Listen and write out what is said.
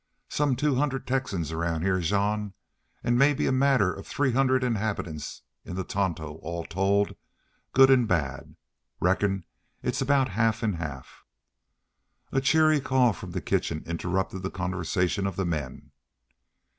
Some two hundred Texans around heah, Jean, an' maybe a matter of three hundred inhabitants in the Tonto all told, good an' bad. Reckon it's aboot half an' half." A cheery call from the kitchen interrupted the conversation of the men.